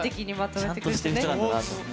ちゃんとしてる人なんだなと思う。